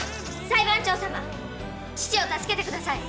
裁判長様父を助けてください！